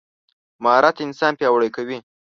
مهارت انسان پیاوړی کوي.